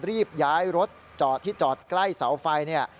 รีบย้ายรถจอดที่จอดใกล้เสาไฟเนี่ย